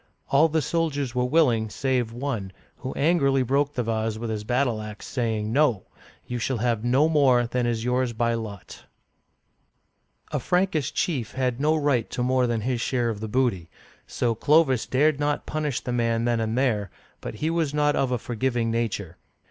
All the soldiers were willing save one, who angrily broke the vase with his battle ax, saying, " No ; you shall have no more than is yours by lot !'* A Frankish chief had no right to more than his share of the booty, so Clovis dared not punish the man then and there, but he was not of a forgiving nature.